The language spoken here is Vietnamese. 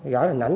gửi hình ảnh